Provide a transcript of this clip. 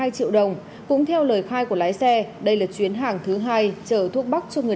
hai triệu đồng cũng theo lời khai của lái xe đây là chuyến hàng thứ hai chở thuốc bắc cho người